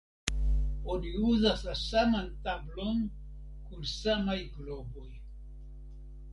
Oni uzas la saman tablon kun samaj globoj.